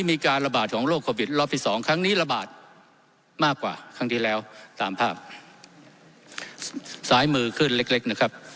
มากกว่าครั้งที่แล้วตามภาพซ้ายมือขึ้นเล็กเล็กนะครับ